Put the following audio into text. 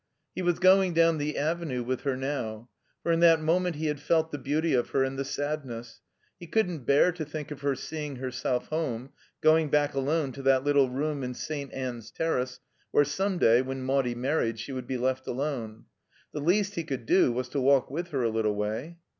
He was going down the Avenue with her now. For in that moment he had felt the beauty of her and the sadness. He cotddn't bear to think of her seeing herself home," going back alone to that little room in St. Ann's Terrace, where some day, when Maudie married, she would be left alone. The least he could do was to walk with her a little way.